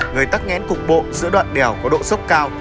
gây tắc nghẽn cục bộ giữa đoạn đèo có độ sốc cao